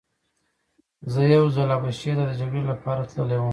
زه یو ځل حبشې ته د جګړې لپاره تللی وم.